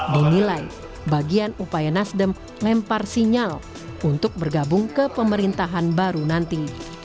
dinilai bagian upaya nasdem lempar sinyal untuk bergabung ke pemerintahan baru nanti